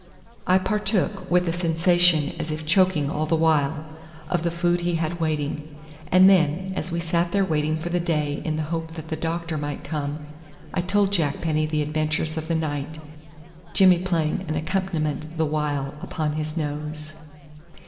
I partook, with a sensation as if choking all the while, of the food he had waiting, and then, as we sat there waiting for the day in the hope that the doctor might come, I told Jack Penny the adventures of the night, Jimmy playing an accompaniment the while upon his nose.